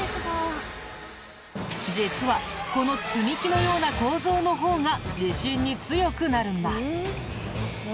実はこの積み木のような構造の方が地震に強くなるんだ。